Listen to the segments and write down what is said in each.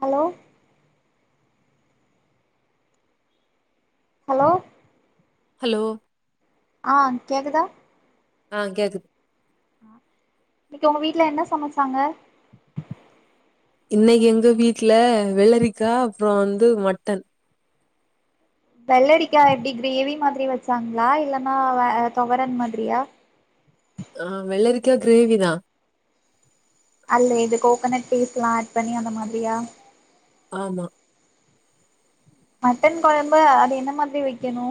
Hello hello hello ஆ கேக்குதா ஆ கேக்குது ஆ இன்னக்கி ஒங்க வீட்ல என்ன சமச்சாங்க இன்னகி எங்க வீட்ல வெள்ளரிக்கா அப்றோ வந்து மட்டன் வெள்ளரிக்கா எப்டி கிரேவி மாத்ரி வச்சாங்ளா இல்லன்னா வே தொவரன் மாத்ரியா க கிரேவி தா அல்ல இது கோகனட் பீஸ்ல்லா ஆட் பண்ணி அந்த மாத்ரியா ஆமா மட்டன் கொழம்பு அது என்ன மாத் ரி வெக்கணு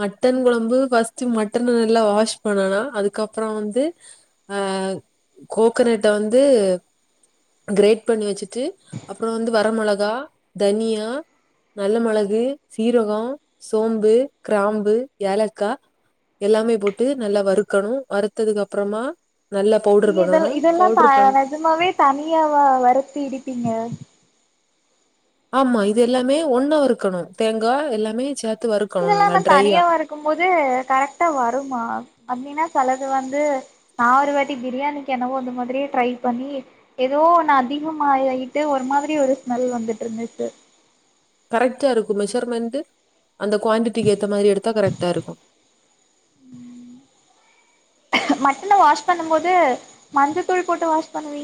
மட்டன் கொழம்பு ஃபஸ்ட்டு மட்டன நல்லா வாஷ் பண்ணனா அதுக்கப்றோ வந்து அ கோக்கனட்ட வந்து கிரேட் பண்ணி வச்சுட்டு அப்றோ வந்து வர மொளகா தனியா நல்ல மொளகு சீரகோ சோம்பு க்ராம்பு ஏலக்கா எல்லாமே போட்டு நல்லா வறுக்கணு வறுத்ததுகு அப்றமா நல்லா பவுட்ரு நீங்க இதல் பண்ணணு இதெல்லா த பவுட்ரு பண் நெஜமாவே தனியாவ வருத்து இடிப்பீங்க ஆமா இது எல்லாமே ஒண்ணா வருக்கணு தேங்கா எல்லாமே சேத் இதெல்லா ம தனியா வறுக்கும் போது கரெக்டா வருமா அப்டினா செலது வந்து நா ஒரு வாட்டி ப்ரியாணிக்கு என்னவோ அந்த மாத்ரி ட்ரை பண்ணி எதோ ஒன்னு அதிகமாய யிட்டு ஒரு மாத்ரி ஒரு ஸ்மெல் வந்துட்ருந்துச்சு கரெக்ட்டா இருக்கு மெஷர்மெண்ட் அந்த குவான்டிட்டிக்கு ஏத்த மாரி எடுத்தா கரெக்ட்டா இருக்கு மட்டன வாஷ் பண்ணு போது மஞ்ச தூள் போட்டு வாஷ் பண்ணுவீ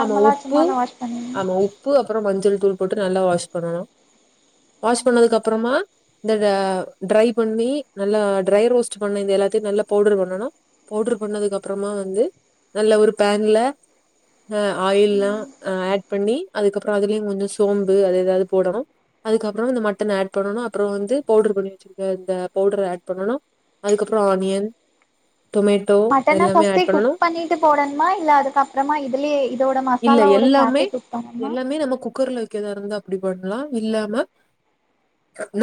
ஆமா உப்பு ஆமா உப்பு அப்ரோ மஞ்சள் தூள் போட்டு நல்லா வாஷ் பண்ணன்னு வாஷ் பண்ணதுக்கு அப்றமா இந்த டரை பண்ணி நல்ல ட்ரைரோஸ்ட் பண்ண இந்த எல்லாத்தையு நல்ல பவுடர் பண்ணனு பவுடர் பண்ணதுக்கு அப்றமா வந்து நல்ல ஒரு பேன்ல அஹ் ஆயில்லா ம் அஹ் ஆட் பண்ணி அதுக்கப்ரோ அதுலயு கொஞ்சோ சோம்பு அது ஏதாவ்து போடணு அதுக்கப்ரோ இந்த மட்டன் ஆட் பண்ணனு அப்ரோ வந்து பவுடர் பண்ணி வச்சிருக்க இந்த பவுடர் ஆட் பண்ணனு அதுக்கப்ரோ ஆனியன் டொமேட்டோ மட்டன எல்லாமே ஃபர்ஸ்ட் ஆட் குக் பண்ணணும். பண்ணிட்டு போடணுமா இல்ல அதுக்கப்றமா இதுலயே இதோட இல்ல மசாலாவோட சாத்து குக் பண்ணனுமா க்கிறதா இருந்தா அப்டி பண்லா இல்லாம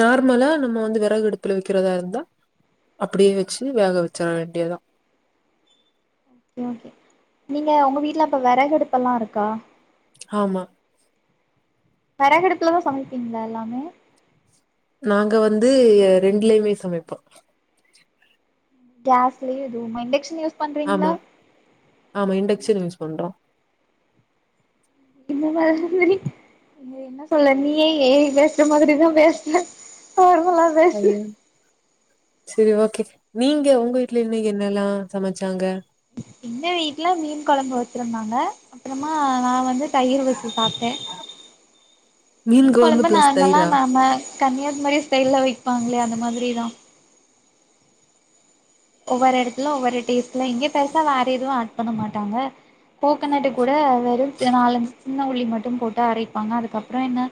நார்மலா நம்ம வந்து வெறகு அடுப்ல வக்றதா இருந்தா அப்டியே வச்சு வேக வச்சிட வேண்டியதா ஓகே ஓகே நீங்க உங்க வீட்ல அப்போ வெறகு அடுப்பல்லா இருக்கா ஆமா வெரகடுபுல தா சமைப்பீங்ளா எல்லாமே நாங்க வந்து ரெண்லயுமே சமைப்போ கேஸ்லையு இதுவுமா இன்டக்ஷன் யூஸ் பண்றீங்களா ஆமா ஆமா இன்டக்ஷன் யூஸ் பண்றோ இந்த மாத்ரி அய்யோ என்ன சொல்ல நீயே ஏ ஐ பேசுற மாத்ரிதா பேசுற நல்லா பேசு சேரி ஓகே நீங்க உங்க வீட்ல இன்னக்கு என்னல்லா சமச்சாங்க எங்க வீட்ல மீன் கொழம்பு வச்சிருந்தாங்க அப்றமா நா வந்து தயிர் வச்சு சாப்ட மீன் கொழம்பு நார்மலா நம்ம கன்னியாகுமரி ஸ்டைல்லா வை ப்பாங்ளே அந்த மாரி தா ஒவ்வொரு எடத்துல ஒவ்வொரு டேஸ்ட்ல இங்க பெருசா வேற எதுவு ஆட் பண்ண மாட்டாங்க கோகனட்டு கூட வெறு ச நாலஞ்சு சின்ன உள்ளி மட்டு போட்டு அரைப்பாங்க அதுக்கப்றோ என்ன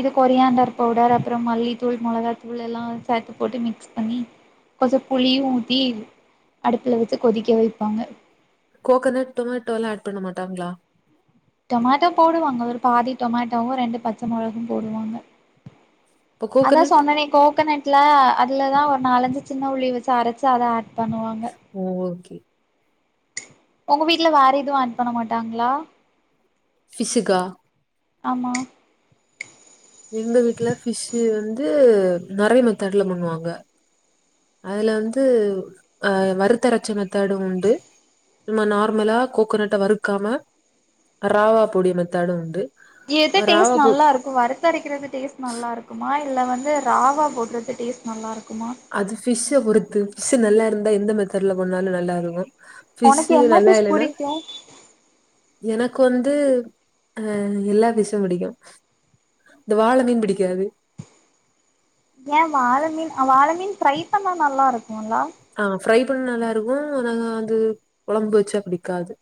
இது கொரியாண்டர் பவுடர் அப்றோ மல்லித்தூள் மொளகாத்தூள் எல்லா சேத்து போட்டு மிக்ஸ் பண்ணி கொஞ்சோ புளி ஊத்தி அடுப்ல வச்சு கொதிக்க வப்பாங்க கோகனட் டொமேட்டோலா ஆட் பண்ண மாட்டாங்ளா டொமேட்டோ போடுவாங்க ஒரு பாதி டொமேட்டோ ரெண்டு பச்ச மொளகு போடுவாங்க அப்ப அதா கோகனட் சொன்னனே கோகனட் துல அதுலதா ஒரு நாலஞ்சு சின்ன உள்ளி வச்சு அரைச்சு அத ஆட் பண்ணுவாங்க ஓ ஓகே உங்க வீட்ல வேற எதுவு ஆட் பண்ண மாட்டாங்ளா ஃபிஷ்க்கா ஆமா எங்க வீட்ல ஃபிஷ்ஷு வந்து து நெறைய மெத்தேட்லா பண்ணுவாங்க அதுல வந்து அ வறுத்தரச்ச மெத்தடு உண்டு நம்ம நார்மலா கோக்கனட்ட வறுக்காம ராவ்வா பொடி மெத்தடும் உண்டு எது டேஸ்ட் ராவா பொ நல்லா இருக்கு வறுத்தரைக்றது டேஸ்ட் நல்லா இருக்குமா இல்ல வந்து ராவா போடுறது டேஸ்ட் நல்லா இருக்குமா அது ஃபிஷ்ஷ பொறுத்து ஃபிஷ்ஷு நல்லா இருந்த தா எந்த மெத்தடுல பண்ணாலு நல்லா இருக்கு உனக்கு ஃபிஷ்ஷு என்ன நல்லா ஃபிஷ் இல்லன்னா புடிக்கு இப்போ வந்து அ எல்லா ஃப்பிஷ் பிடிக்கு இந்த வாள மீன் பிடிக்காது ஏ வாள மீன் வாள மீன் ஃப்ரை பண்ணா நல்லா இருக்குலா ஆ ஃப்ரை பண்ண நல்லா இருக்கு ஆன அது குழம்பு வச்சா பிடிக்காது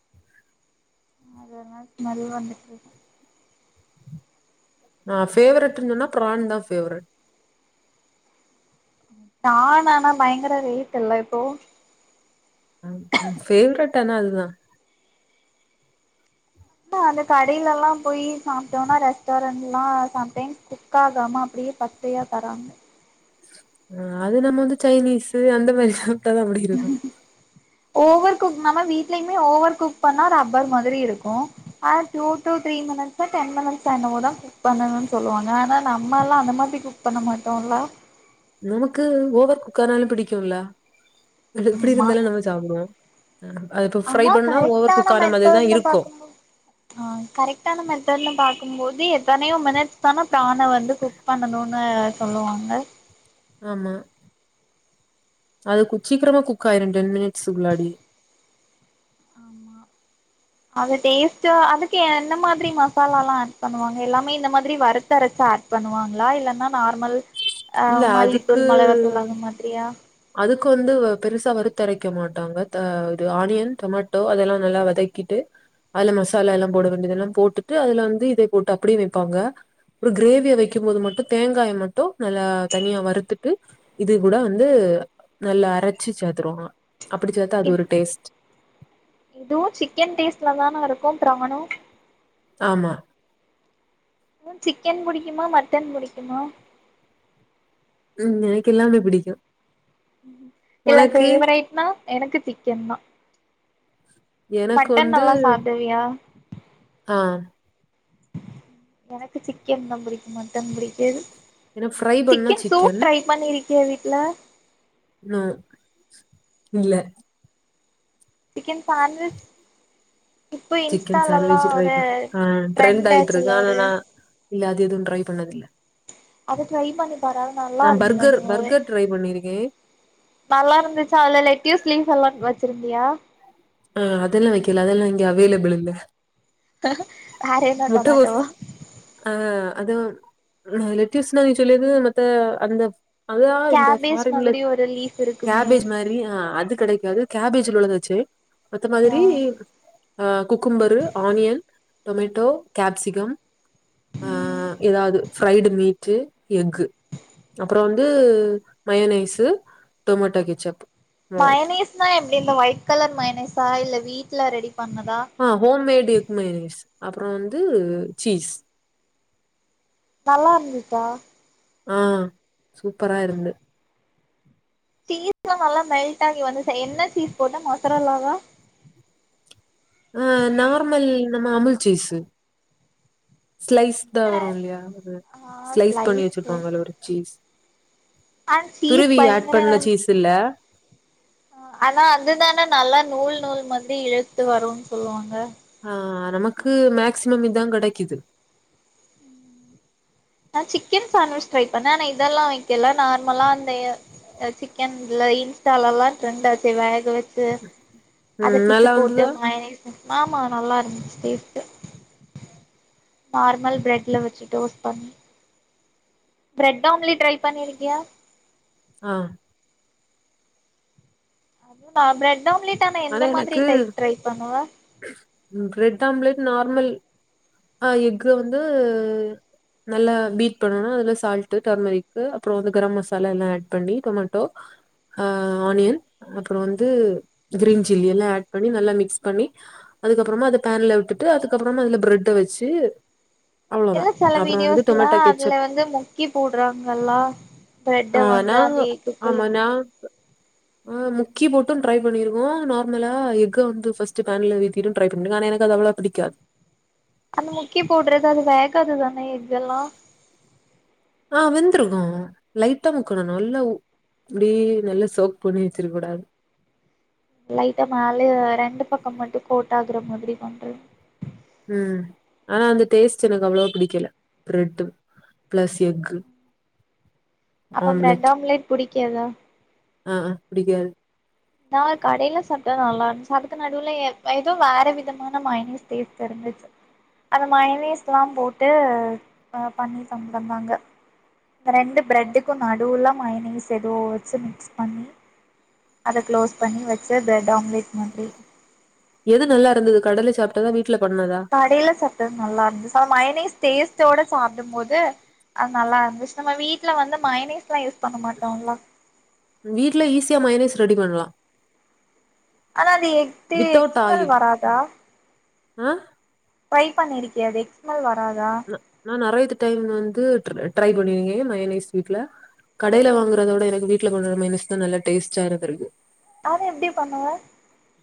அது ஆனா ஸ்மெல் வந்துட்ருக்கு நா ஃபேவரெட்னு சொன்னா பிரான் தா ஃபேவரெட் பிரான் ஆனா பயங்கர ரேட் இல்ல இப்போ ஃப்வரட் ஆனா அதுதா ட அந்த கடையிலெல்லா போய் சாப்பிட்டோம்னா ரெஸ்டாரண்டல சம்டைம்ஸ் குக் ஆகாம அப்டியே பச்சயா தராங்க அ அது நம்ம வந்து சைனீஸ் அந்த மாரியா ட்டாதா முடிகிறது ஓவர் குக் நம்ம வீட்யுமே ஓவர் குக் பண்ணா ரப்பர் மாரி இருக்கு ஆனா two two three minutes ten minutes ஆ என்னமோ தா குக் பண்ணணுனு சொல்லுவாங்க ஆனா நம்ம எல்லா அந்த மாரி குக் பண்ண மாட்டோம்ல்லா நமக்கு ஓவர் குக்கானாலு பிடிக்குல அது எப்டி ஆமா இருந்தாலு நம்ம சாப்டுவோ அது இப்ப ஃப்ரை ஆனா பண்ணா ஓவர் கரைக்டான குக் ஆன மாதிரிதா மெத்தேட்னு இருக்கு பாக்கும்போது அ கரைக்ட்டான மெத்தேடுன்னு பாக்குபோது தி எத்தனையோ மினிட்ஸ் தான தான வந்து குக் பண்ணணு நென சொல்லுவாங்க அமா அது குச்சிரம குக்கயிரு டென் மினிட்ஸ் குள்ளாடி ஆமா அது டெஸ்ட அதுக்கு என்ன மாரி மசாலால்லா ஆட் பண்ணுவாங்க எல்லாமே இந்த மாரி வர்த்துரைச்சு ஆட் பண்ணுவாங்களா இல்லன்னா நார்மல் அ இல்ல அதுக்கு மல்லிதூள் மில்கதுள் அந்த மாதிரியா அதுக்கு வந்து வ பெருசா வறுத்தரைக்க மாட்டாங்க த ஆனியன் டொமேட்டோ அதெல்லா நல்லா வதக்கிட்டு அதுலா மசாலா எல்லாம் போட வேண்டியதெல்லாம் போட்டுட்டு அதில் வந்து இதை போட்டு அப்படியெ வைப்பாங்க ஒரு கிரேவியை வைக்கும் போது மட்டு தேங்காய் மட்டும் நல்லா தனியா வறுத்துட்டு இது கூட வந்து நல்லா அரைச்சு செத்துருவாங் அப்படி செத்த அது இத் ஒரு டேஸ்ட் இதுவு சிக்கன் டேஸ்ட்லதானே இருக்கு பிராநு ஆமா உ சிக்கன் புடிக்குமா மட்டன் புடிக்குமா ம் எனக்கு எல்லாமே பிடிக்கு இல்ல உனக்கு ஃவேவரட்னா எனக்கு சிக்கன் தா எனக்கு மட்டன் வந்து நல்லா சாப்டுவியா அ எனக்கு சிக்கன் தா பிடிக்கு மட்டன் பிடிக்காது என ஃபிரை பண்ண சிக்கன் பண்ணிருக்கியா வீட்ல நோ இல்ல chicken sandwich chicken sandwich try ஆ ட்ரெண்ட் ஆய்ருக்கு ஆச்சுல்ல ஆனா ஒரு ந இல்ல அது இதுநு ட்ரை பண்ணது இல்ல அது ட்ரை பண்ணி வரா நல்லா பர்கர் இருந்தது பர்கர் ட்ரை பண்ணிருக்கே நல்லா இருந்துச்சா அதுல லெட்டஸ்லீல்லா வச்சிருந்தியா ஆஹ் அதெல்லா வைக்கலா அதெல்லா இங்க அவைலபில்ந்த வேற என்ன டொமேட்டோ முட்டகோஸ் ஆ அது லிட்டிஷ்னரி சொல்லிக்கிது மத்த அந்த அதா இந்த கேபேஜ் ஃபாரின்ல மாதிரி ஒரு லீஃப் இருக்குமே கேபேஜ் மாரி அது கெடைக்காது கேபேஜ்ல உழுதுச்சு மத்த ஆ மாதிரி அ குக்கும்பரு ஆனியன் டொமேட்டோ கேப்சிகம் ஆ எதாது ஃப்ரைடு மீட்டு எக்கு அப்றொ வந்தூ மையோநைஸு டொமேட்டோ கெச்சப் ம். மயனீஸ்னா எப்டி இந்த ஒயிட் கலர் மயனீஸ் ஆ இல்ல வீட்ல ரெடி பண்ணதா ஆ ஹோம் மேடு எப்பம்மே அப்றோ வந்து சீஸ் நல்லா இருந்துச்சா ஆ சூப்பரா இருந்து சீஸ் எல்லா நல்லா மெல்ட் ஆகி வந்து சே என்ன சீஸ் போட்ட மொசரல்லாவா ஆ நார்மல் நம்ம அமுல் சீஸு ஸ்லைஸ் தா வரு இல்லியா ஒரு ஆ ஸ்லைஸ் பண்ணி ஸ்லைஸு வச்சிருப்பாங்கல்ல ஒரு சீஸ் அண்ட் சீஸ் துருவி ஆட் பண்ண சீஸ் இல்ல அ ஆனா அதுதான நல்லா நூல் நூல் மாத் ரி இழுத்து வரூன் சொல்லுவாங்க ஆ நமக்கு மேக்சிமம் இதா கெடைக்கிது ந சிக்கன் சாண்ட்விச் ட்ரை பண்ணே ஆனா இதெல்லா வைக்கல நார்மலா அந்த அ சிக்கன்ல இன்ஸ்டால்லா ட்ரெண்ட்டாச்சே வேக வெச் சு அத ம் பிச்சு நல்லா போட்டு வந்துதா மயனீஸு ஆமா நல்லாருந்துச்சு டேஸ்ட்டு நார்மல் ப்ரெட்ல வச்சி டோஸ் பண்ணி பிரெட் ஆம்ப்லேட் ட்ரை பண்ணிருக்கியா அ அதுவு நா ப்ரெட் ஆம்லேட் ஆனா எந்த மாதிரி எனக்கு டைப் ட்ரை பண்ணுவ ப்ரெட் ஆம்லெட் நார்மல் அ எக்க வந்து நல்லா பீட் பண்ணனு அதுல சால்ட் டர்மரிக்கு அப்றொ வந்து கரம் மசாலா எல்லா ஆட் பண்ணி டொமேட்டோ ஆ ஆனியன் அப்பறொ வந்து க்ரீன் சில்லி எல்லா ஆட் பண்ணி நல்லா மிக்ஸ் பண்ணி அதுக்கப்றமா அத பேன்ல விட்டுட்டு அதுக்கப்றமா அதுல ப்ரெட்ட வச்சி ல்ல செல வீடியோஸ்லா கெச்சப் அதுல வந்து முக்கி போட்றாங்கல்லா ஆ ப்ளட்ட வந்து நாங்க அந்த இதுக்குள்ள ஆமா நான் முக்கி ஆ முக்கி போட்டு ட்ரை பண்ணிருவோ நார்மலா எக்க வந்து ஃபஸ்ட்டு பேன்ல வேத்திட்டு ட்ரை பண்ணுங்க ஆனா எனக்கு அது அவ்ளவா பிடிக்காது அந்த முக்கி போட்றது அது வேகாது தான எக்கெல்லா ஆ வெந்த்ருக்கு லைட்டா முக்கணு நல்லா இப்டி நல்லா சோக் பண்ணி வச்சிருக் கூடாது லைட்டா மோல ரெண்டு பக்கம் மட்டும் கோட்டு ஆகுற மாதிரி பண்றது உம் ஆனா அந்த டேஸ்ட் எனக்கு அவ்ளோ பிடிக்கல பிரெட்டு பிளஸ் எக்கு அப்ப பிரொட் ஆம்லெட் ஆம்லோட் பிடி கதா ஆ பிடிக்காது நா கடையில சாப்டே நல்லா இருந்துச்சு அதுக்கு நடுவுல ஏதுவும் வேற விதமான மைனீஸ் டோஸ்ட் தெரிஞ்சச்சு அந்த மைனீஸ் எல்லாம் போட்டு ஆ பண்ணித்தந்தாங்க ரெண்டு பிரெட்டுக்கும் நடுவுல்லா மைனீஸ் எதோ வச்சு மிக்ஸ் பண்ணி அத க்ளோஸ் பண்ணி வச்சு பிரெட் ஆம்லெட் மாதிரி எது நல்லா இருந்தது கடலலை சாப்பிட்டதா வீட் கடையில சாப்டாது நல்லா இருந்து மையனீஸ் டேஸ்ட் சாப்பிடும் போது அது நல்லா இருந்துச்சு நம்ம வீட்டுல வந்து மைனீஸ் எல்லாம் யூஸ் பண்ண மாட்டோம்லா வீடல ஈஸியா மைனீஸ் ரெடி பண்ணலாம் ஆனா அது எக் ஸ்ம்மல் வராதா அ பை பண்ணிருக்கா எக்ஸ்மல் வராதா நா நிறையத்து டைம் வந்து ட்ரை பண்ணிருக்கேன் மைனீஸ் வீட்ல கடையில வாங்குறத விடா வீட்டுலா பண்ணுறா மைனீஸ் தான் நல்ல டேஸ்ட்டா இருந்துஇருக்கு அத எப்டி பண்ணுவ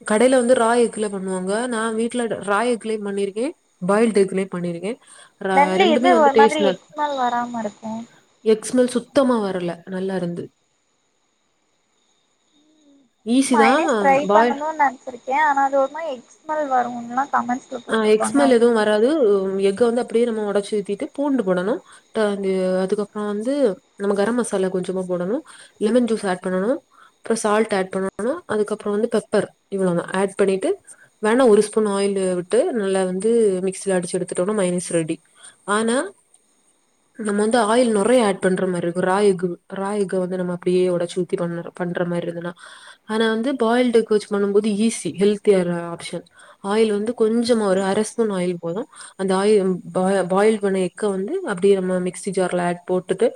கடையில வந்து ரா எஃகுலா பண்ணுவாங்க நா வீட்ல டு ரா எஃகுலயும் பண்ணிருக்கே பாயில்டு எஃகுலையு பண்ணிருகே ரண்ட்ல எது ஒ மாதிரி ஸ்மெல் வராம இருக்கூ எக் ஸ்மெல் சுத்தமா வரல நல்லாருந்து ஈசிதா பாய்ல் ச்சிருக்கே ஆனா அது ஒரு மா எக்ஸ்மெல் வருன்லா ஆ எக்ஸ்மெல் எதுவு வராது உ உ எ க்கு வந்து அப்டியே நம்ம ஒடச்சி ஊத்திட்டு பூண்டு போடணு ட்டு அந்தி அ அதுக்கப்புறோ வந்து நம்ம கரம் மசாலா கொஞ்சமா போடணு லெமன் ஜூஸ் ஏட் பண்ணணு ப்புற சால்ட் ஏட் பண்ணணு அதுக்கப்புறோ வந்து பெப்பரு இவ்ளோதா ஏட் பண்ணிட்டு வேணா ஒரு ஸ்பூன் ஆயிலு வி ட்டு நல்லா வந்து மிக்ஸில அடுச்சு எடுத்துடோனா மையோனிஸ் ரெடி ஆனா நம்ம வந்து ஆயில் நொறையா ஏட் பண்ற மாரிருக்கு ரா எஃகு ரா எஃகு வந்து நம்ம அப்டியே ஒடச்சு உத்தி பண்ணுறோ பண்ற மாரிருந்தனா ஆனா வந்து பாயில்ட் எஃகு வெச்சு பண்ணும் போது ஈஸி ஹெல்த்தி யாற ஆப்ஷன் ஆய்ல் வந்து கொஞ்சமா ஒரு அர ஸ்பூன் ஆயில் போது அந்த ஆயி ப பாயில் பண்ண எக்க வந்து அப்டியே நம்ம மிக்சி ஜார்ல ஏட் போட்டுட்டு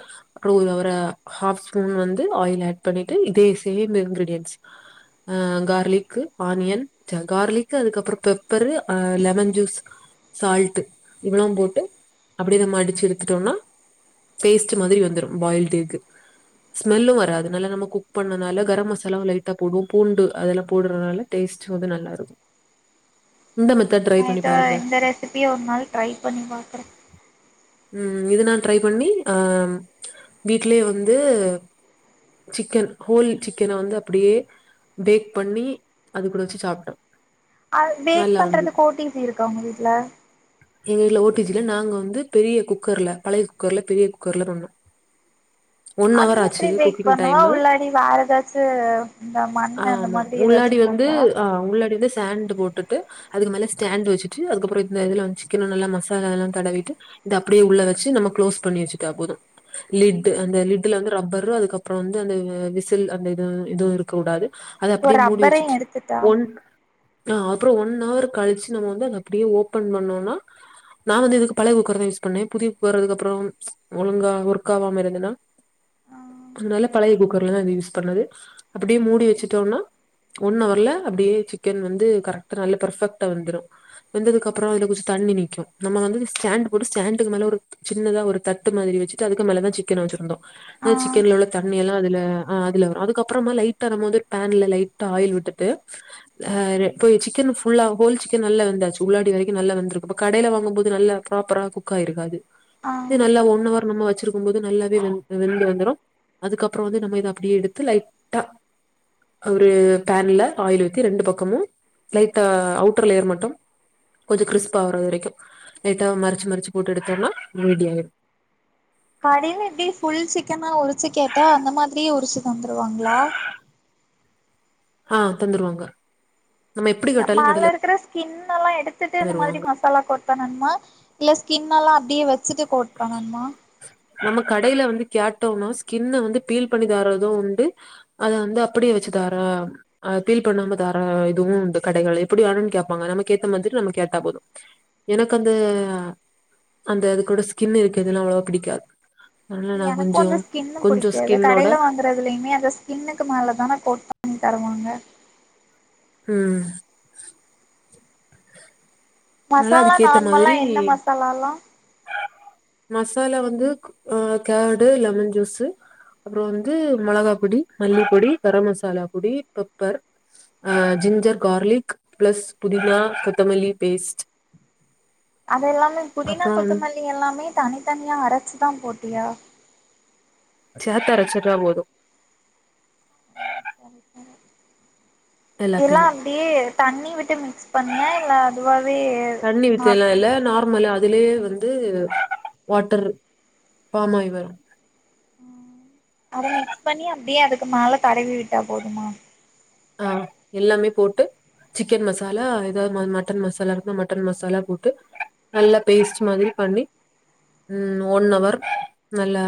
[unintelligible] ஹாஃப் ஸ்பூன் வந்து ஆயில் ஏட் பண்ணிட்டு இதே சேம் இன்கிரீடியன்ஸ் அ கார்லிக்கு ஆனியன் ச்ச கார்லிக்கு அதுக்கப்புற பெப் ப்பரு அ லெமன் ஜூஸ் சால்ட் இவளோம் போட்டு அப்டியே அத மடிச்சு எடுத்துட்டோன்னா பேஸ்ட் மாதிரி வந்துரும் பாயில்டு எஃகு ஸ்மெல்லு வராது நல்ல நம்ம கு பண்ணணால கரம் மசாலாவு லைட் த போடுவோ பூண்டு அதெல்லா போட்றனால டேஸ்ட்டு வந்து நல்லாருக்கு நா இத இந்த ரெசிபிய ஒரு நாள் ட்ரை பண்ணி பாக்கறே உம் இது நா ட்ரை பண்ணி அம் வீட்லியே வந்து சிக்கன் ஹோல் சிக்கன வந்து அப்பிடியே பேக் பண்ணி அது கூட வெச்சு சாப்ட்டோ அது பேக் நல்லா வந்து பண்றதுக்கு ஒ டி ஜி இருக்கா உங்க வீட்ல எங்க வீட்ல ஓ டி ஜி இல்ல நாங்க வந்து பெரிய குக்கர்ல பழைய குக்கர்ல பெரிய குக்கர்ல பண்ணோ அதுல எப்டி பேக் பண்ணுவோ உள்ளாடி வேற எதாச்சு இந்த மண்ணு அந்த ஆமா மாதிரி எதாச்சு போட்டா [unintelligible] டு போட்டுட்டு அதுக்கு மேல ஸ்டேண்டு வெச்சுட்டு அதுக்கப்பறோ இந்த இதுல வந் சிக்கன நல்லா மாசால்லா தடவிட்டு இத அப்டியே உள்ள வெச்சு நம்ம க்ளோஸ் பண்ணி வெச்சிட்டா போது லிட்டு அந்த லிட்டுல வந்து ரப்பரு அதுக்கப்றோ வந்து அந்த வி விசில் அந்த இது எதுவு இருக்ககுடாது ஒ ரப்பரையு எடுத்துட்டா அ அப்றோ ஒன் அவர் கழிச்சு நம்ம வந்து அதை அப்பிடியே ஓப்பன் பண்ணோண்னா நா வந்து எதுக்கு பழைய குக்கர் தா யூஸ் பண்ணே புதிய குக்கர் அதுக்குப்றோம் ப்ச் ஒழுங்கா ஒர்க்காவாமா இருந்துனா ஆ அதனால பழைய குக்கர்லதா அத யூஸ் பண்ணது அப்டே மூடி வெச்சிட்டோன்னா ஒன் அவர்ல அப்டியே சிக்கன் வ து கரெக்ட நல்லா பெர்ஃபெக்டா வெந்துரு வெந்ததுக்கு அப்றோ அதுல கொஞ்சோ தண்ணி நிக்கூ நம்ம வந்து அது ஸ்டேண்டு போட்டு ஸ்டேண்டுக்கு மேல ஒருத் சின்னதா ஒரு தட்டு மாதிரி வெச்சுட்டு அதுக்கு மேல தா சிக்கன வெச்சிருந்தோ ஆ அ சிக்கன்ல உள்ள தண்ணி எல்லா அதுல ஆ அதுல வரு அதுக்கப்றமா லைட்டா நம்ம வந்து ஒரு பேன்ல லைட்டா ஆயில் விட்டுட்டு அ ரெ ம் போயி சிக்கன ஃபுல்லா ஹோல் சிக்கன் நல்லா வெந்தாச்சு உள்ளாடி வரைக்கு நல்லா வெந்துருக்கு ப்ப கடைல வாங்கும் போது நல்லா ப்ராப்பரா குக் ஆய்ருகாது ஆ இது நல்லா ஒன் அவ நம்ம வெச்சிருக்கும் போது நல்லாவே வெ வெந்து வந்துரு அதுக்கப்றோ வந்து நம்ம இத அப்டியே எடுத்து லைட்டா ஒரு பேன்ல ஆயில் ஊத்தி ரெண்டு பக்கமு லைட்டா அவுட்டர் லேயர் மட்டும் கொஞ்சோ கிறிஸ்பா ஆவுற வரைக்கு லைட்டா மறச்சு மறச்சு போட்டு எடுத்தம்னா ரெடி ஆய் கடைல எப்டி ஃபுல் சிக்கனா உரிச்சு கேட்டா அந்த மாதிரியே உரிச்சு தந்துருவாங்ளா ஆ தந்துருவாங்க நம்ம எப்டி கேட்டாலு கடைல கின் னெல்லா எடுத்துட்டு இந்த மாதிரி தருவாங்க மசாலா போட் பண்ணணுமா இல்ல ஸ்கின் எல்லா அப் டி வெ ச்சுட்டு கோட் பண்ணண்மா நம்ம கடைல வந்து கேட்டோம்னாவே ஸ்கின்ன வந்து பீல் பண்ணி தாரது உண்டு அத வந்து அப்பிடே வெச்சு தாரா ஆ பீல் பண்ணாம தாரா இதுவு உண்டு கடைகள்ல எப்பிடி வேணுன் கேப்பாங்க நமக்கு ஏத்த மாதுரி நம்ம கேட்டா போது எனக்கு அந்த அந்த அது கூட ஸ் கின்னு இருக்கதுலா அவ்ளோவா பிடிக்கா எனக்கு அந்த ஸ்கின்னு புடிக்காது ஸ்கின்னோட கடைல வாங்கறதுலயுமே அந்த ஸ்கின்னுக்கு மேலதான கோட் பண்ணி தருவாங்க ம் [inaudible] நல்லா மசாலா அதுக்கேத்த நார்மலா மாதிரி என்ன மசாலாலா மசாலா வந்து அ கடு லெமன் ஜூசு அப்றோ வந்து மெளகா பொடி மல்லிப்பொடி கரம் மசாலா பொடி பெப்பர் அ ஜிஞ்சர் கார்லிக் பிளஸ் புதினா கொ த்தமலி பேஸ்ட் அத எல்லாமே புதினா அப்புறோ வந்து கொத்தமல்லி எல்லாமே தனித்தனியா அரச்சு தா போட்டியா சேத்து அரச்சுட்டா போது சரி சரி எல்லா எல்லாத்தையு அப்டியே தண்ணி விட்டு மி க்ஸ் பண்ணியா இல்ல அதுவாவே தண்ணி வித்தெல்லா நார்மல் இல்ல நார்மலா அதுலயே வந்து வாட்டர் பார்ம் ஆய்வரு ஆ அத மிக்ஸ் பண்ணி அப்டியே அதுக்கு மல தடவி விட்டா போதுமா ஆ எல்லாமே போட்டு சிக்கன் மசாலா ஏதாவ மட்டன் மசாலா இருந்தா மட்டன் மசாலா போட்டு நல்லா பேஸ்ட் மாதிரி பண்ணி ம் ஒன் வர் நல்லா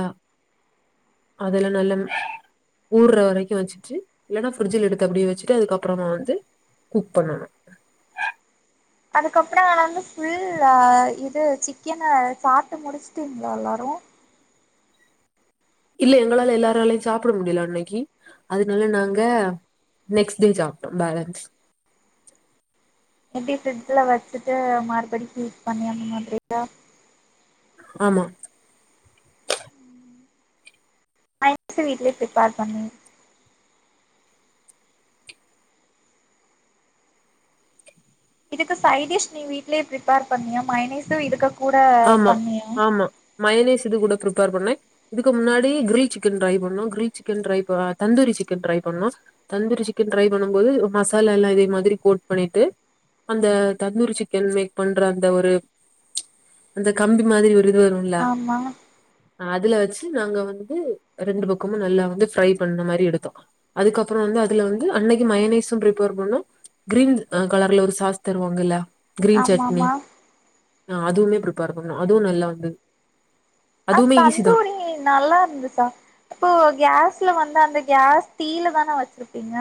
அதெல்லா நல்ல ஊருற வரைக்கு வச்சுட்டு இல்லனா ஃப்ரிட்ஜ்ல எடுத் து அப்டியே வச்சுட்டு அதுக்கறமா வந்து குக் பண்ணணு அதுக்கப்றோ நா வந்து ஃபுல் ஆ இது சிக்கன சாப்ட்டு முடிச்சுட்டீங்ளா எல்லாரு இல்ல எங்களால எல்லாராலயு சாப்ட முடியல அன்னைக்கு அதனால நாங்க நெக்ஸ்ட் டே சாப்ட்டோ பலன்ஸ் எப்டி ஃபரிட்ஜ்ல வச்சுட்டு மறுபடி ஹீட் பண்ணி அந்த மாதிரியா ஆமா [unintelligible] வீட்லயே பிரிப்பேர் பண்ணி இதுக்கு சைடிஷ் நீ வீட்லேயே ப்ரிபர் பண்ணியா மைனீஸ் இதுக்கு கூட பண்ணிய மயனீஸ் இது கூட ப்ரிப்பர் பண்ணே இதுக்கு முன்னாடி க்ரில் சிக்கன் டரை பண்ணோ grill chicken try tandoori chicken try பண்ணோ தந்தூரி சிக்கன் ட்ரை பண்ணும் போது மசாலா எல்லா இதே மாதிரி கோட் பண்ணிட்டு அந்த தந்தூரி சிக்கன் மேக் பண்ற அந்த ஒரு அந்த கம்பி மாதிரி ஒரு இது வரும்லா ஆமா ஹ அதுல வச்சு நாங்க வந்து ரெண்டு பக்கமும் நல்லா வந்து ஃரை பண்ண மாதிரி எடுத்தோம் அதுக்கப்புறம் வந்து அதுல வந்து அன்னைக்கு மயோனீஸும் ப்ரிப்பேர் பண்ணோம் கிரீன் கலர்ல ஒரு சாஸ் தருவாங்கல்ல. ஆமாமா. ஆஹ அதுவுமே பிரிப்பேர் பண்ணோ அதுவும் நல்லா வந்தது. அஹ அதுவுமே ஈஸி தா தந்தூரி நல்லா இருந்து சா இப்போ கேஸ்ல வந்த அந்த. கேஸ் தீல தானே வச்சிருப்பீங்க.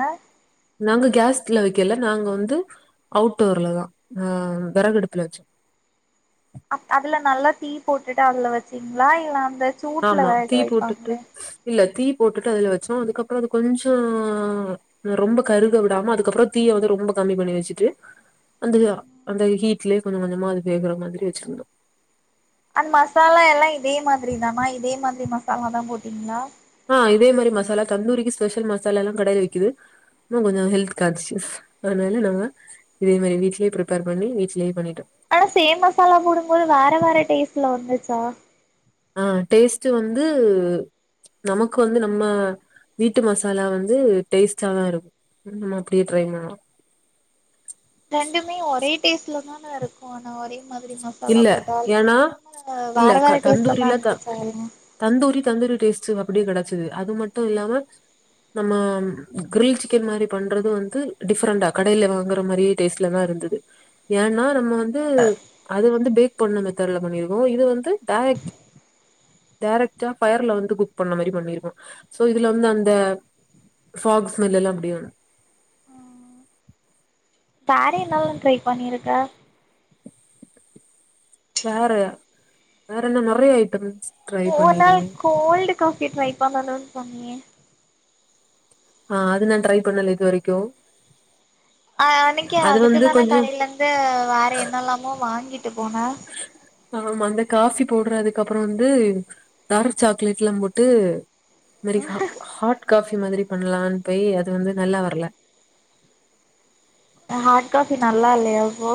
நாங்க கேஸ்ல வைக்கல நாங்க வந்து அவுட்டோர்லதா அஹ விறகடுப்புல வச்சோ. அதுல நல்லா தீ போட்டுட்டு அதுல வச்சீங்களா இல்ல அந்த. சூட்ல ஆமா வேக தீ போட்டுட்டு வைப்பாங்களே இல்ல தீ. போட்டுட்டு அதுல வச்சோம் அதுக்கப்புறம் அது கொஞ்சம் ரொம்ப கருக விடாம அதுக்கப்புறம் தீய வந்து ரொம்ப கம்மி பண்ணி வச்சுட்டு அந்த அந்த ஹீட்லயே கொஞ்சம் கொஞ்சமா அது வேகுற மாதிரி வச்சிருந்தோம். அந்த மசாலா எல்லாம். இதே மாதிரி தானா இதே மாதிரி மாச மசாலா தா போட்டிங்களா. ஆஹ இதே மாதிரி மசாலா தந்தூரிக்கு ஸ்பெஷல் மசாலா எல்லாம் கடையில விக்குது கொஞ்சம் ஹெல்த் கான்சியஸ் அதனால நாங்க இதே மாரி வீட்லேயே ப்ரிப்பர் பண்ணி வீட்லேயே பண்ணிட்டோம். ஆனா சேம் மசாலா போடும்போது வேற வேற டேஸ்ட்ல வந்துச்சா. ஆஹ டேஸ்ட்டு வந்து நமக்கு வந்து நம்ம வீட்டு மசாலா வந்து டேஸ்டாதா இருக்கு நம்ம அப்படியே ட்ரை பண்ணலா ரெண்டுமே ஒரே டேஸ்ல தான இருக்கு ஆனா ஒரே. மாதிரி மசாலா இல்ல போட்டால் ஏனா நம்ம இல்ல வேற வேற த டேஸ்ட்ல தா தந்தூரில இருந்துச்சா எல்லா தந்தூரி தந்தூரி டேஸ்ட்டு. அப்படியே கிடைச்சுது அது மட்டு இல்லாம நம்ம கிரில் சிக்கன் மாரி பண்றது வந்து டிஃப்ரெண்ட்டா கடையில வாங்கற மாரியே டேஸ்ட்லதா இருந்தது ஏனா நம்ம. வந்து. வந்து பேக் பண்ண மெத்தட்ல பண்ணிருக்கோ இது வந்து டேரக்ட் டேரக்ட்டா ஃபயர்ல வந்து குக் பண்ண மாரி பண்ணிருக்கோ சோ இதுல வந்து அந்த ஃபாக்ஸ் ஸ்மெல் எல்லா அப்டியே வேற என்னல்லா ட்ரை பண்ணிருக்க. வேற வேற என்ன நெறயா அயிட்டம்ஸ். ஓனா கோல்டு காஃபி ட்ரை பண்ணணுனு சொன்னிய. ஆஹ அது நான் ட்ரை பண்ணல இது வரைக்கு. அ அன்னைக்கு அது வந்து அதுக்குதான கொஞ்சோ கடைல இருந்து வேற என்ன எல்லாமோ வாங்கி. ட்டு போன. ஆமா அந்த காஃபி பவுடர் அதுக்கு அப்புறம் வந்து டார்க் சாக்லேட் எல்லாம் போட்டு. மெரிஹா ஹாட். காஃபி மாரி பண்ணலான்னு போய் அது வந்து நல்லா வர்ல. ஹாட் காஃபி நல்லா இல்லயா அப்போ.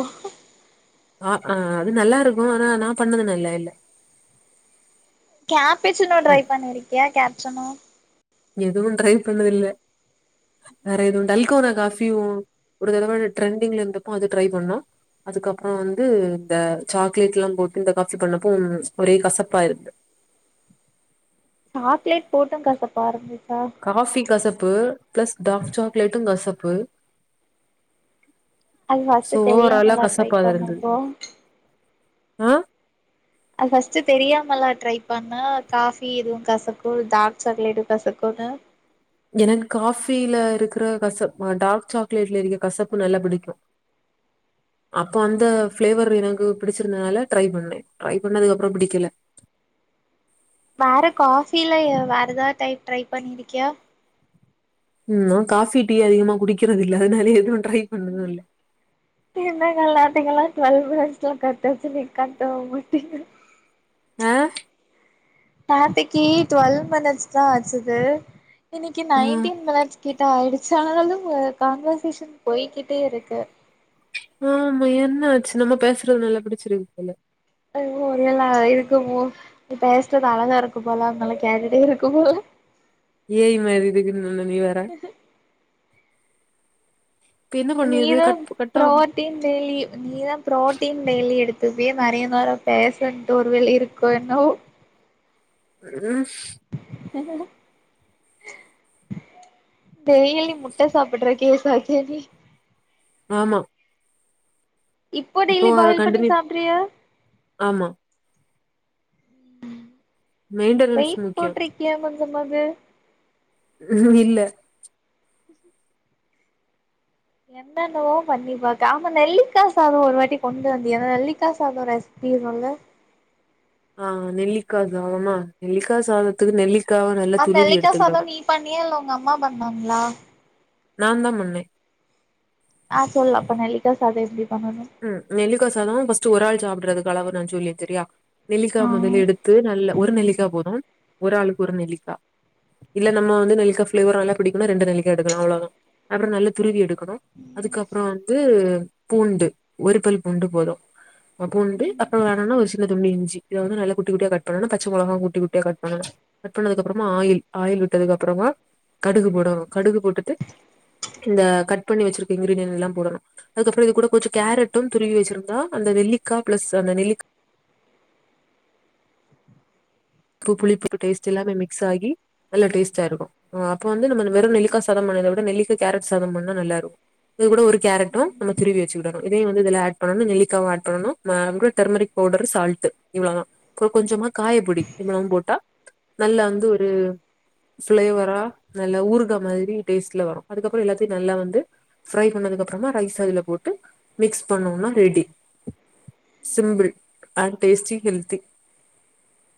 ஆஹ ஆஹ அது நல்லா இருக்கு ஆனா நா பண்ணது நல்ல இல்ல. கேப் சீனோ ட்ரை பண்ணிருக்க கேப். சொன்னா. எதுவு ட்ரை பண்ணதில்ல வேற எதுவு டல்கோனா காஃபியும் ஒரு தடவ ட்ரெண்டிங்ல இருந்தப்போ அது ட்ரை பண்ணோ அதுக்கப்புறோ வந்து இந்த சாக்லேட் எல்லாம் போட்டு இந்த காஃபி பண்ணப்போ ம்ச் ஒரே கசப்பாயிருந் சாக்லேட் போட்டூ கசப்பா இருந்து காஃபி கசப்பு பிளஸ் டார்க் சாக்லேட்டும் கசப் பு அது ஃபர்ஸ்ட் தெரியாமல்லா ட்ரை பண்ணப்போ ஆஹ் அது ஃபர்ஸ்ட் தெரியாமல்லா ட்ரை பண்ண காஃபி எதுவு கசக்கு டார்க் சாக்லேட்டு கசக்குனு எனக் காஃபில இருக்குற கசப் ஆஹ் டார்க் சாக்லேட்ல இருக்க கசப்பு நல்லா பிடிக்கு அப்போ அந்த ஃபிளேவர் எனக்கு பிடிச்சிருந்ததுனால ட்ரை பண்ணே ட்ரை பண்ணதுக்கு அப்றோ பிடிக்கல வேற காஃபில வேற எதாவது டைப் ட்ரைப் பண்ணிருக்கியா ம் காஃபி டீ அதிகமா குடிக்கிறது இல்ல அதனால எதுவு ட்ரை பண்ணது இல்ல என்ன [unintelligible] [unintelligible] ஆஹ் நேத்தக்கி ட்வெல்வ் மினிட்ஸ்தா ஆச்சுது இன்னிக்கி ஆ நைன்டீன் மினிட்ஸ் கிட்ட ஆயிடுச் சு ஆனாலும் கான்வேர்சேஷன் போய்கிட்டேருக்கு ஆம்மா என்ன ஆச்சு நம்ம பேசுறது நல்லா பிடிச்சிருக்குப் போல அதுவு நல்லா இருக்குமோ பேசறது அழகா இருக்குபோல அன்னால்ல கேட்டிட்டே இருக்கும்போல ஏ ஐ மாரி இருக்குன்னல நீ வேற இப்ப என்ன பண்ணியது நீதா கட் கட்டாம் ப்ரோட்டீன் டெய்லியும் நீதா ப்ரோட்டீன் டெய்லி எடுத் இப்டீயே நறய நேரோ பேசென்ட்டு ஒருவேல இருக்கோ என்னவோ [unintelligible] டெய்லி முட்ட சாப்பெட்றுக்கே பைத்தியோ நீ ஆம்மா இப்போ டெய்லி பாயில் பண்ணி கண்டினியூ சாப்றியா ஆமா மெயின்டனன்ஸ் வெய்ட் முக்கியோ போட்டிரிக்கியா கொஞ்சமாவ்து ம் இல்ல என்னென்னவோ பண்ணி பாக்க ஆம்மா நெல்லிக்கா சாதோ ஒரு வாட்டி கொண்டு வந்தியன்னா நெல்லிக்கா சாதோ ரெசிபி சொல்லு அ நெல்லிக்கா சாதமா நெல்லிக்கா சாதத்துக்கு நெல்லிக் அந்த நெல்லிக்கா சாதோ நீ பண்ணியா இல்ல உங்க அம்மா பண்ணாங்ளா நாந்தா பண்ணேன் ஆ சொல்லப்ப நெல்லிகா சாதோ எப்டி பண்ணனு ம் நெல்லிக்கா சா சாதோ ஃபஸ்டு ஒரால சாப்றதுக் அளவ் நா சொல்லி செரியா நெல்லிக்கா மொதல்ல எடுத்து நல்ல ஒரு நெல்லிக்கா போதும் ஒரு ஆளுக்கு ஒரு நெல்லிக்கா இல்ல நம்ம வந்து நெல்லிக்கா ஃப்ளேவர் நல்லாப் பிடிக்குன்னா ரெண்டு நெல்லிக்கா எடுக்கலா அவ்ளோதா அப்ற நல்லா துருவி எடுத் துக்கனும் அதுக்கப்றோ வந்து பூண்டு ஒரு பல் பூண்டு போதோ அப்பூண்டு அப்புற வேணும்னா சின்ன துண்டு இஞ்சி இத வந்து நல்லக் குட்டி குட்டியாக் கட் பண்ணனோ பச்ச மொளஹா குட்டி குட்டியாக் கட் பண்ணனோ கட்பண்ணதுக்கப்பறமா ஆயில் ஆயில் விட்டதுக்கப்பறமா கடுகு போடணோ கடுகு போட்டுட்டு இந்த கட் பண்ணி வெச்சிருக்க இங்ரிடியென்யெல்லா போடனோ அதுக்கப்புறோ இதுக்கூட கொஞ்ச் கேரட்டு துருவி வெச்சிருந்தா அந்த நெல்லிக்கா பிளஸ் அந்த நெல்லிக் ப்பு புளிப்பு டேஸ்ட் எல்லாமே மிக்ஸ் ஆகி நல்ல டேஸ்டா இருக்கு அப்ப வந்து நம்ம வெறும் நெல்லிக்கா சாதம் பண்றத விட நெல்லிக்கா கேரட் சாதம் பண்ணா நல்லா இருக்கு இது கூட ஒரு கேரட்டும் நல்லா துருவி வச்சுகிடணு இதயும் வந்து இதுல ஆட் பண்ணணும் நெல்லிக்காவு ஆட் பண்ணணும் [unintelligible] டெர்மரிக் பவுடர் சால்ட் இவ்ள தா அப்ற கொஞ்சமா காயப்பொடி இவ்வளவு போட்டா நல்லா வந்து ஒரு பிளேவரா நல்ல ஊறுகா மாதிரி டேஸ்ட்ல வரும் அதுக்கப்ற எல்லாத்தயு நல்லா வந்து ப்ரை பண்ணதுக்கு அப்றமா ரைஸ் அதுல போட்டு மிக்ஸ் பண்ணோனா ready simple and tasty healthy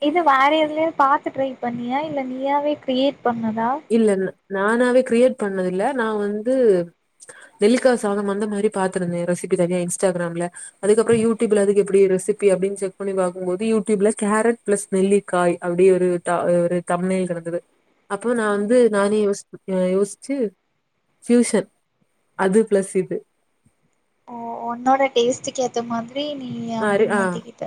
இது வேற எதுலயோ பாத்து ட்ரை பண்ணியா இல்ல நீயாவே கிரியேட் பண்ணதா இல்ல நானாவே கிரியேட் பண்ணதுல்ல நா வந்து நெல்லிக்கா சாதம் அந்த மாரி பாத்திருந்தே ரெசிபி தனியா இன்ஸ்டாகிராம்ல அதுக்கப்றோ யூட்யூப்ல அதுக்கு எப்டி ரெசிபி அப்டின்னு செக் பண்ணி பாக்கும்போது யூட்யூப்ல கேரட் பிளஸ் நெல்லிக்காய் அப்டி ஒரு தா ஒரு தம்நெய்ல் இருந்தது அப்போ நா வந்து நானே யோஸ்சுக்க யோஸ்ச்சு சீசன் அது பிளஸ் இது ஓ ஒன்னோட டேஸ்ட்டுக்கு ஏத்த மாதி ப்ரீ நீ யா அப்டி ஆறு ஆ மாத்திக்கிட்ட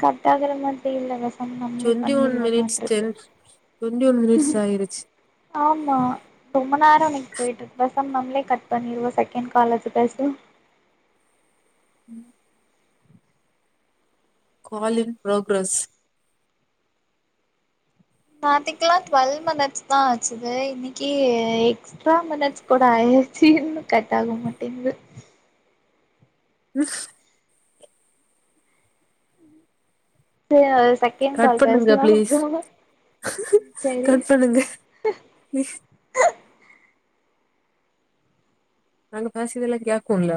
கட்டாகற மாரி தெர்ல வஸ் நம் நம்ளே டுவெண்டி ஒன் பண்ணிரல மினிட்ஸ் மாட்ருக்கு டென் டுவெண்டி ஒன் மினிட்ஸ் ஆயிருச்சு ஆமா ரொம்ப நேரோ இன்னைக்கு போயிட்டுருக் பஸ் பெசாம. நம்ளே கட் பண்ணிருவ செகன்ட் காலர்ட்ட பேஸ்லா ம் கால் இன் ப்ரோக்ரஸ் நாத்தக்குல்லா டுவெல்வ் மினிட்ஸ் தா ஆச்சுது இன்னைக்கு எக்ஸ்ட்ரா மினிட்ஸ் கூட ஆயிச்சு இன்று கட் ஆக மாட்டிங்குது உம் சியர்ஸ் செகண்ட் கட் கால் பண்ணுங்க பேசலா பிளீஸ் அப்ரோ சரி கட் பண்ணுங்க நாங்க பேசியதெல்லா கேக்குல